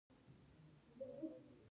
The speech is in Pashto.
مېوې د افغانستان د اقتصاد برخه ده.